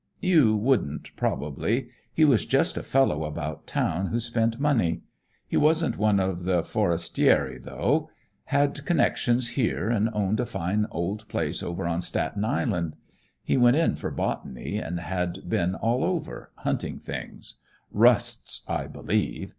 "You wouldn't, probably. He was just a fellow about town who spent money. He wasn't one of the forestieri, though. Had connections here and owned a fine old place over on Staten Island. He went in for botany, and had been all over, hunting things; rusts, I believe.